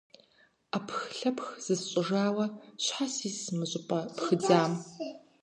Ӏэпхлъэпх зысщӀыжауэ щхьэ сис мы щӀыпӀэ пхыдзам?